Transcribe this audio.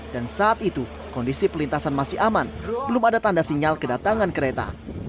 dan saat itu kondisi perlintasan masih aman belum ada tanda sinyal kedatangan kereta